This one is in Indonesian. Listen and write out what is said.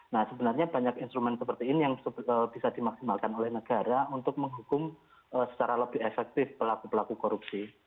nah sebenarnya banyak instrumen seperti ini yang bisa dimaksimalkan oleh negara untuk menghukum secara lebih efektif pelaku pelaku korupsi